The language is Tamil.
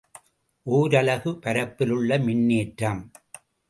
ஓரலகு பரப்பிலுள்ள மின்னேற்றம்.